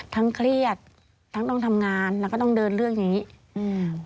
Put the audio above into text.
เครียดทั้งต้องทำงานแล้วก็ต้องเดินเรื่องอย่างงี้อืม